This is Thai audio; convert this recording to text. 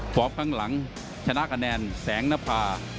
ข้างหลังชนะคะแนนแสงนภา